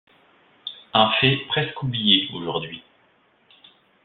Un fait presque oublié aujourd'hui.